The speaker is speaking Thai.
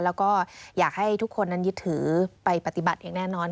แล้วก็อยากให้ทุกคนนั้นยึดถือไปปฏิบัติอย่างแน่นอน